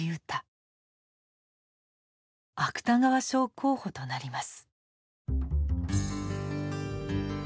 芥川賞候補となります。